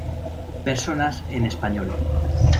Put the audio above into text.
Personas en Español.